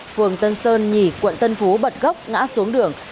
phường tân sơn nhì quận tân phú bật gốc ngã xuống đường